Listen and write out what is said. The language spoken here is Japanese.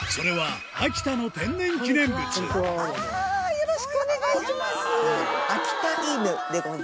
よろしくお願いします。